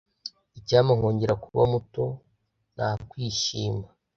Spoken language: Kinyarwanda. Icyampa nkongera kuba muto na kwishyima .